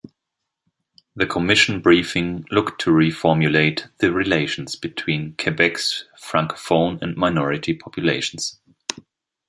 The commission briefing looked to reformulate the relations between Quebec's francophone and minority populations.